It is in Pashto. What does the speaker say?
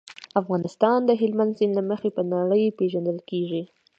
افغانستان د هلمند سیند له مخې په نړۍ پېژندل کېږي.